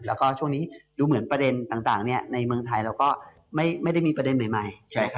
แล้วก็ช่วงนี้ดูเหมือนประเด็นต่างในเมืองไทยเราก็ไม่ได้มีประเด็นใหม่